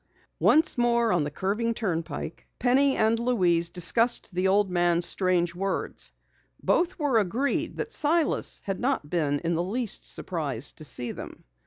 Once more on the curving turnpike, Penny and Louise discussed the old man's strange words. Both were agreed that Silas had not been in the least surprised to see them.